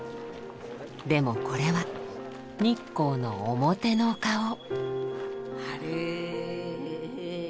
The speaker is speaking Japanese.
でもこれは日光の「表の顔」。